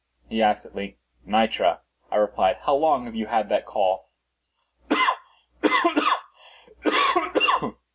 he asked, at length. "Nitre," I replied. "How long have you had that cough?"